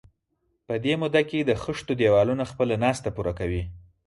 په دې موده کې د خښتو دېوالونه خپله ناسته پوره کوي.